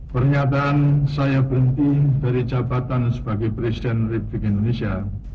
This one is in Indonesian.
pernyataan saya berhenti dari jabatan sebagai presiden republik indonesia